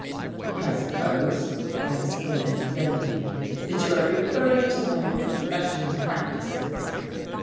"I suppose," I exclaimed bitterly, "that you are referring to my professional practices."